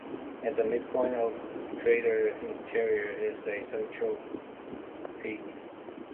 At the midpoint of the crater interior is a central peak.